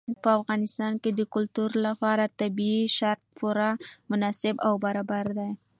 په افغانستان کې د کلتور لپاره طبیعي شرایط پوره مناسب او برابر دي.